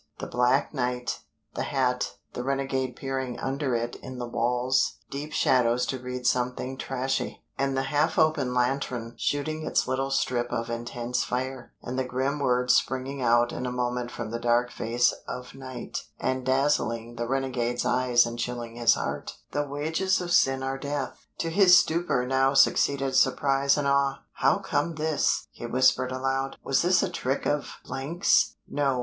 The black night, the hat, the renegade peering under it in the wall's deep shadows to read something trashy, and the half open lantern shooting its little strip of intense fire, and the grim words springing out in a moment from the dark face of night and dazzling the renegade's eyes and chilling his heart: "THE WAGES OF SIN ARE DEATH." To his stupor now succeeded surprise and awe. "How comes this?" he whispered aloud, "was this a trick of 's? No!